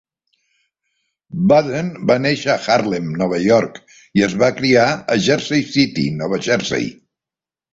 Budden va néixer a Harlem, Nova York i es va criar a Jersey City, Nova Jersey.